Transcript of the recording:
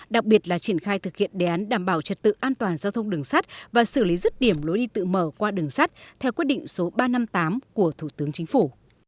đặc biệt là triển khai thực hiện đề án đảm bảo trật tự an toàn giao thông đường sắt và xử lý rứt điểm lối đi tự mở qua đường sắt theo quyết định số ba trăm năm mươi tám của thủ tướng chính phủ